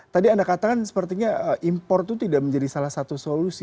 tadi anda katakan sepertinya impor itu tidak menjadi salah satu solusi